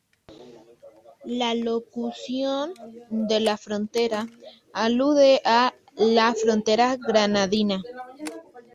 La locución "de la Frontera" alude a la frontera granadina.